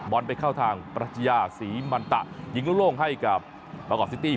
ไปเข้าทางปรัชญาศรีมันตะยิงโล่งให้กับมากอกซิตี้